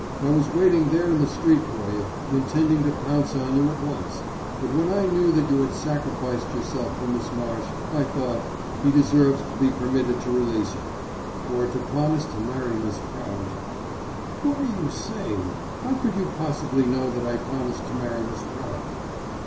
I was waiting there in the street for you, intending to pounce on you at once, but when I knew that you had sacrificed yourself for Miss Marsh, I thought, 'He deserves to be permitted to release her': for, to promise to marry Miss Prout " "What are you saying? How could you possibly know that I promised to marry Miss Prout?"